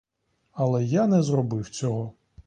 Але я не зробив цього.